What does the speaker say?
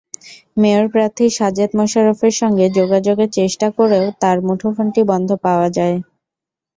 Mayor প্রার্থী সাজেদ মোশারফের সঙ্গে যোগাযোগের চেষ্টা করেও তাঁর মুঠোফোনটি বন্ধ পাওয়া যায়।